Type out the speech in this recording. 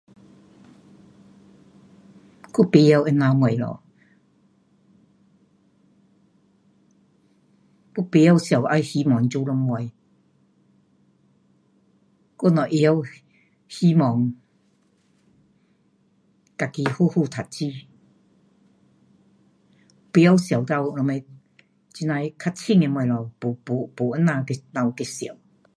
我不晓那样的东西，我不晓想要希望做什么，我只知希望自己好好读书，不晓想到什么这那的较深的东西，没，没，没这那去跑，去想。